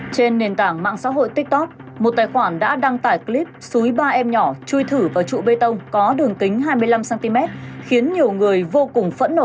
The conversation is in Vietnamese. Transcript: trên nền tảng mạng xã hội tiktok một tài khoản đã đăng tải clip xúi ba em nhỏ chui thử vào trụ bê tông có đường kính hai mươi năm cm khiến nhiều người vô cùng phẫn nộ